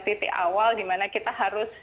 titik awal dimana kita harus